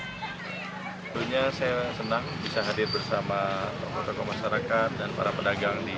sebenarnya saya senang bisa hadir bersama tokoh tokoh masyarakat dan para pedagang di pasar kita ini